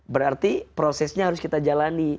berarti prosesnya harus kita jalani